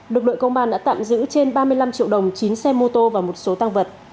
lực lượng công an đã tạm giữ trên ba mươi năm triệu đồng chín xe mô tô và một số tăng vật